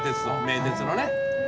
名鉄のね。